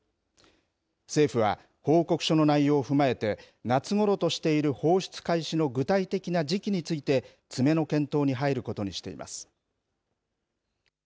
政府は報告書の内容を踏まえて、夏ごろとしている放出開始の具体的な時期について、詰めの検討に入ることにしています。